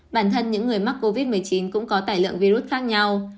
bản thân những người mắc covid một mươi chín cũng có tải lượng virus khác nhau